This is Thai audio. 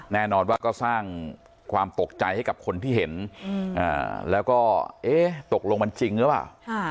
แน่นอนว่าก็สร้างความตกใจให้กับคนที่เห็นแล้วก็เอ๊ะตกลงมันจริงหรือเปล่า